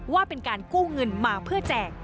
ว่าเป็นการกู้เงินมาเพื่อแจก